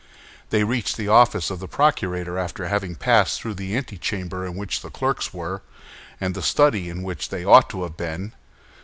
They reached the office of the procurator after having passed through the antechamber in which the clerks were, and the study in which they ought to have been.